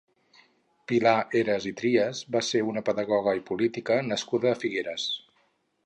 Pilar Heras i Trias va ser una pedagoga i política nascuda a Figueres.